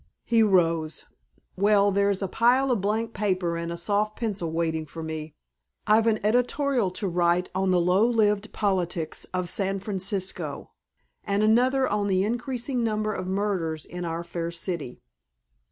He rose. "Well, there's a pile of blank paper and a soft pencil waiting for me. I've an editorial to write on the low lived politics of San Francisco, and another on the increasing number of murders in our fair city.